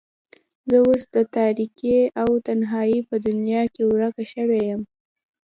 زه اوس د تاريکۍ او تنهايۍ په دنيا کې ورکه شوې يم.